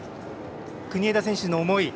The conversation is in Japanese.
国枝選手の思い